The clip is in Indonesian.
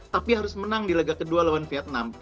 tapi harus menang di laga kedua lawan vietnam